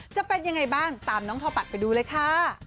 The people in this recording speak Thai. จะเป็นยังไงบ้างตามน้องทอปัดไปดูเลยค่ะ